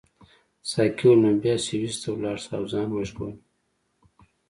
ساقي وویل نو بیا سویس ته ولاړ شه او ځان وژغوره.